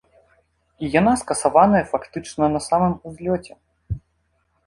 І яна скасаваная фактычна на самым узлёце.